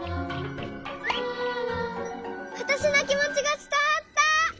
わたしのきもちがつたわった。